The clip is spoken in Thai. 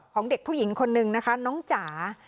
เด็กผู้หญิงคนนึงนะคะน้องจ๋า